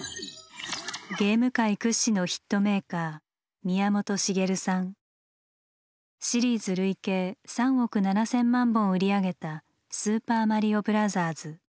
ゲーム界屈指のヒットメーカーシリーズ累計３億７，０００万本を売り上げた「スーパーマリオブラザーズ」。